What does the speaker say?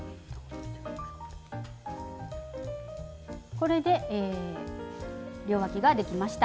これで両わきができました。